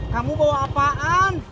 kamu bawa apaan